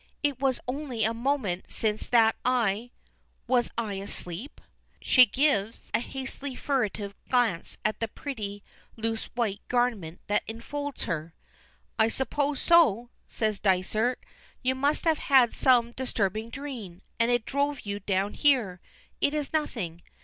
It was only a moment since that I Was I asleep?" She gives a hasty furtive glance at the pretty loose white garment that enfolds her. "I suppose so," says Dysart. "You must have had some disturbing dream, and it drove you down here. It is nothing.